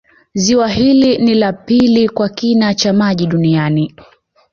Ziwa hili ni la pili kwa kina cha maji duniani